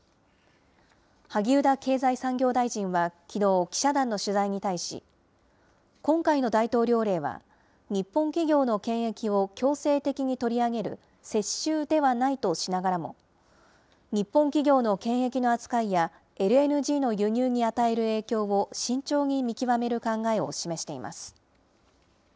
萩生田経済産業大臣は、きのう、記者団の取材に対し、今回の大統領令は、日本企業の権益を強制的に取り上げる接収ではないとしながらも、日本企業の権益の扱いや、ＬＮＧの輸入に与える影響を慎重に見極める考えを示しています。